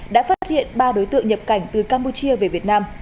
đã phát hiện ba đối tượng nhập cảnh từ campuchia về việt nam